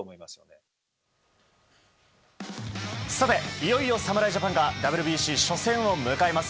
いよいよ侍ジャパンがＷＢＣ初戦を迎えます。